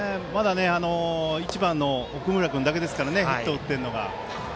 １番の奥村君だけですからヒットを打っているのが。